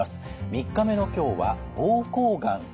３日目の今日は膀胱がんです。